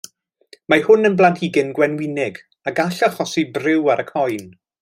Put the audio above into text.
Mae hwn yn blanhigyn gwenwynig a gall achosi briw ar y croen.